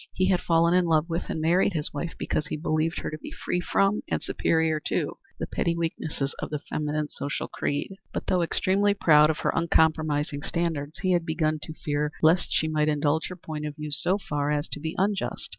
He had fallen in love with and married his wife because he believed her to be free from and superior to the petty weaknesses of the feminine social creed; but though extremely proud of her uncompromising standards, he had begun to fear lest she might indulge her point of view so far as to be unjust.